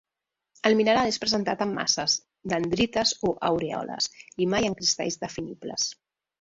El mineral és presentat en masses, dendrites o aurèoles, i mai en cristalls definibles.